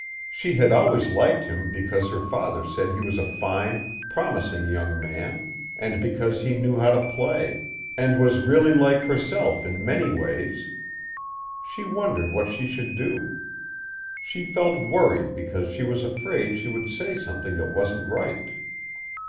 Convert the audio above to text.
She had always liked him because her father said he was a fine, promising young man and because he knew how to play, and was really like herself in many ways. She wondered what she should do. She felt worried because she was afraid she would say something that wasn't right.